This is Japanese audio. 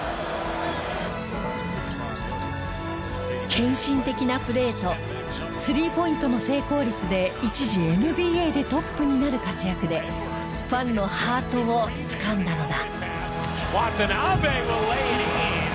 献身的なプレーと３ポイントの成功率で一時ＮＢＡでトップになる活躍でファンのハートをつかんだのだ。